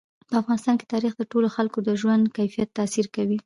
په افغانستان کې تاریخ د ټولو خلکو د ژوند په کیفیت تاثیر کوي.